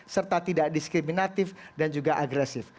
serta tidak diskriminatif dan juga agresif